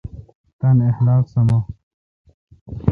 تان اخلاق سامہ۔